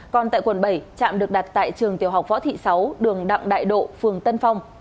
còn tại quận bảy trạm được đặt tại trường tiểu học võ thị sáu đường đặng đại độ phường tân phong